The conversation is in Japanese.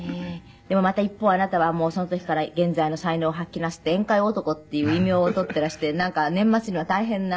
でもまた一方あなたはもうその時から現在の才能を発揮なすって宴会男っていう異名を取ってらしてなんか年末には大変な。